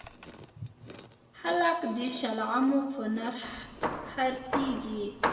خلک د شلغمو په نرخ خرڅیږي